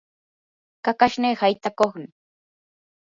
kakashnii haytakuqmi.